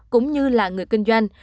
cũng như là người kinh doanh